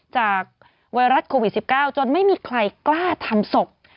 ไวรัสโควิด๑๙จนไม่มีใครกล้าทำศพ